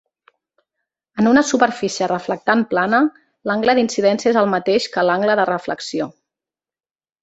En una superfície reflectant plana, l'angle d'incidència és el mateix que l'angle de reflexió.